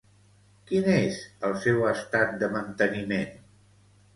Quin és el seu estat de manteniment?